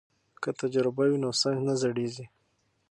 که تجربه وي نو ساینس نه زړیږي.